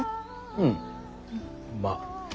うんまあ。